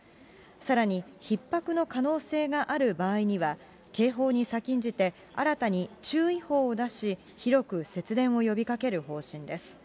さらに、ひっ迫の可能性がある場合には、警報に先んじて、新たに注意報を出し、広く節電を呼びかける方針です。